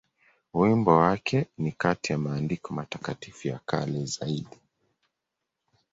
Wimbo wake ni kati ya maandiko matakatifu ya kale zaidi.